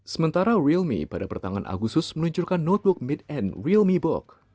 sementara realme pada pertanggan agusus meluncurkan notebook mid end realme book